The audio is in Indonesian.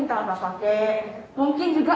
kita nggak pakai mungkin juga